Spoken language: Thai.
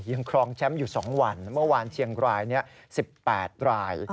ครองแชมป์อยู่๒วันเมื่อวานเชียงราย๑๘ราย